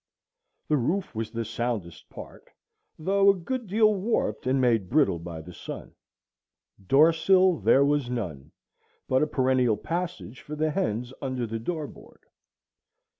The roof was the soundest part, though a good deal warped and made brittle by the sun. Door sill there was none, but a perennial passage for the hens under the door board.